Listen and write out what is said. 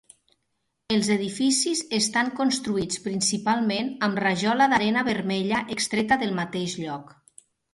Els edificis estan construïts principalment amb rajola d'arena vermella extreta del mateix lloc.